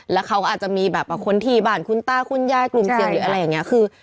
แล้วเขาก็อาจจะมีแบบคนที่บ้านคุณตาคุณยายกลุ่มเสี่ยงหรืออะไรอย่างนี้คือ